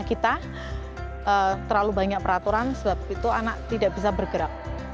kita terlalu banyak peraturan sebab itu anak tidak bisa bergerak